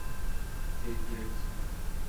কে কি রেখেছিলো?